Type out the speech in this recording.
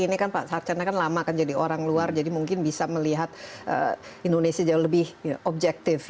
ini kan pak sarcena kan lama kan jadi orang luar jadi mungkin bisa melihat indonesia jauh lebih objektif